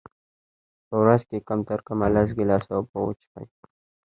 په ورځ کي کم ترکمه لس ګیلاسه اوبه وچیښئ